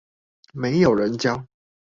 沒有人教